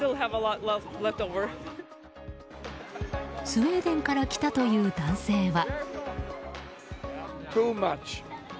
スウェーデンから来たという男性は。